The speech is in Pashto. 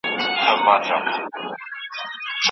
هر قدم مي لکه سیوری لېونتوب را سره مل دی